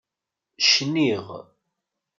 Cniɣ.